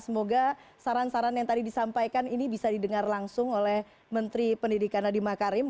semoga saran saran yang tadi disampaikan ini bisa didengar langsung oleh menteri pendidikan nadiem makarim